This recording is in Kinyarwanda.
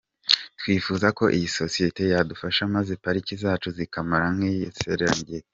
Twifuza ko iyi sosiyeti yadufasha maze Pariki zacu zikamera nk’ iya Serengeti.